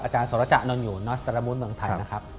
อาจารย์สวรรคะนะนอนิยนนสแม่รมูนเมืองไทยนะครับครับ